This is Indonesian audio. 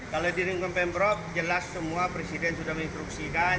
kalau di lingkungan pemprov jelas semua presiden sudah menginstruksikan